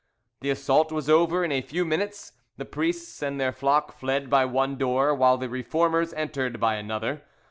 The assault was over in a few moments; the priests and their flock fled by one door, while the Reformers entered by another.